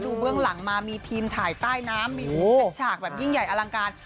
เบื้องหลังมามีทีมถ่ายใต้น้ำมีเซ็ตฉากแบบยิ่งใหญ่อลังการ